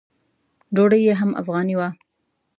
ډوډۍ یې هم افغاني وه.